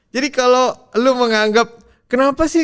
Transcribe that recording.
jadi kalo lu menganggap kenapa sih